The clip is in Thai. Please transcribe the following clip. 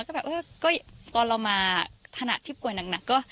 ก็ตอนเรามาถนัดที่ป่วยหนัก